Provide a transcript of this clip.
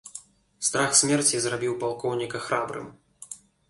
Страх смерці зрабіў палкоўніка храбрым.